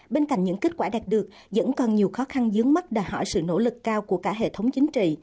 bên cạnh những kết quả đạt được vẫn còn nhiều khó khăn dướng mắt đòi hỏi sự nỗ lực cao của cả hệ thống chính trị